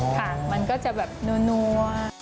อ๋อค่ะมันก็จะแบบนัว